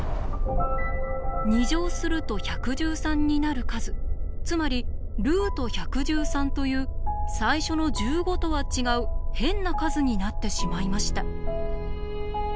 ２乗すると１１３になる数つまり√１１３という最初の１５とは違う変な数になってしまいました。